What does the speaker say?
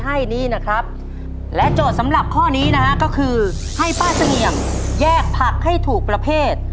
ให้นี่นะครับและโจทย์สำหรับข้อนี้นะฮะก็คือให้ป้าเสงี่ยมแยกผักให้ถูกประเภท